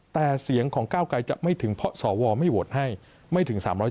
แต่เสียงของก้าวไกรจะไม่ถึงเพราะสวไม่โหวตให้ไม่ถึง๓๕